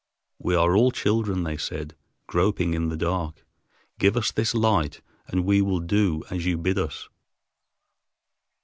"We are all children," they said, "groping in the dark. Give us this light and we will do as you bid us."